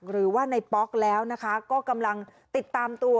หรือว่าในป๊อกแล้วนะคะก็กำลังติดตามตัว